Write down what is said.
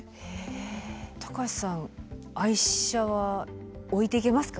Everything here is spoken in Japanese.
高橋さん愛車は置いていけますか？